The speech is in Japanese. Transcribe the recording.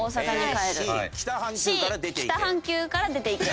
「Ｃ北半球から出て行け」。